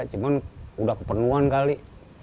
cuman udah kepenuhan kali